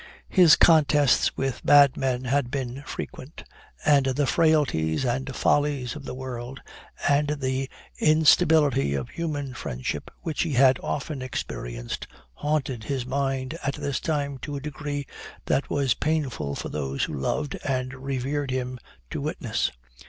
His contests with bad men had been frequent; and the frailties and follies of the world, and the instability of human friendship, which he had often experienced, haunted his mind at this time to a degree that was painful for those who loved and revered him, to witness.